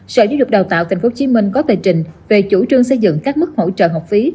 sở giáo dục đào tạo tp hcm có tờ trình về chủ trương xây dựng các mức hỗ trợ học phí